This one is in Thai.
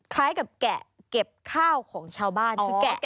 คล้ายกับแกะเก็บค่าวของชาวบ้าน